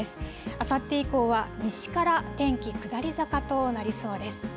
あさって以降は西から天気、下り坂となりそうです。